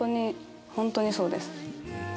本当にそうです。